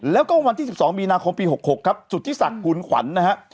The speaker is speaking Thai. แล้วก็วันที่๑๒มีนาคมปี๖๖ครับสุธิศักดิ์คุณขวัญนะฮะ